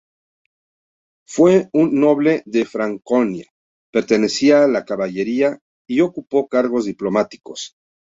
Fue un noble de Franconia, pertenecía a la caballería y ocupó cargos diplomáticos.